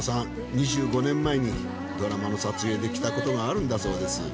２５年前にドラマの撮影で来たことがあるんだそうです。